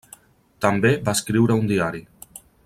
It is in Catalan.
També va escriure un diari.